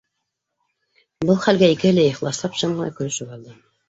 Был хәлгә икеһе лә ихласлап шым ғына көлөшөп алды